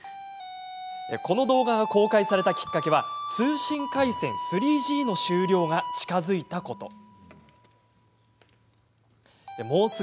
この動画が公開されたきっかけは通信回線３Ｇの終了が近づいたこと。